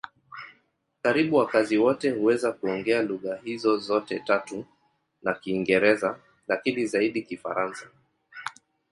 Karibu wakazi wote huweza kuongea lugha hizo zote tatu na Kiingereza, lakini zaidi Kifaransa.